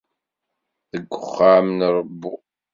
Deg uxxam n Rebbu.